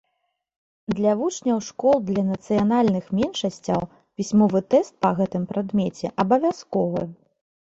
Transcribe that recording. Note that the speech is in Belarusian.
Для вучняў школ для нацыянальных меншасцяў пісьмовы тэст па гэтым прадмеце абавязковы.